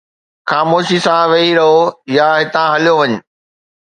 خاموشي سان ويھي رھو يا ھتان ھليو وڃ